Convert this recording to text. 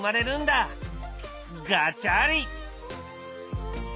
ガチャリ！